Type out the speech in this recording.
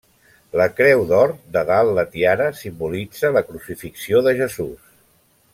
La creu d'or de dalt la tiara simbolitza la crucifixió de Jesús.